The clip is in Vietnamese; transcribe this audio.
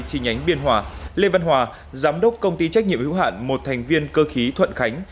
chi nhánh biên hòa lê văn hòa giám đốc công ty trách nhiệm hữu hạn một thành viên cơ khí thuận khánh